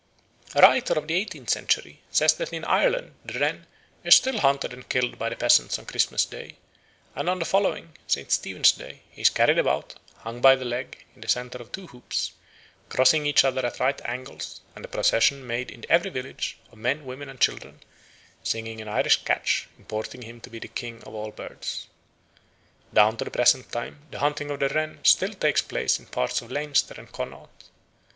A writer of the eighteenth century says that in Ireland the wren "is still hunted and killed by the peasants on Christmas Day, and on the following (St. Stephen's Day) he is carried about, hung by the leg, in the centre of two hoops, crossing each other at right angles, and a procession made in every village, of men, women, and children, singing an Irish catch, importing him to be the king of all birds." Down to the present time the "hunting of the wren" still takes place in parts of Leinster and Connaught.